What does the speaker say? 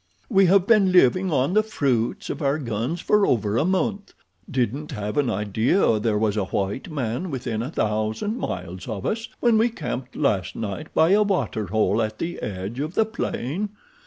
We have been living on the fruits of our guns for over a month. Didn't have an idea there was a white man within a thousand miles of us when we camped last night by a water hole at the edge of the plain.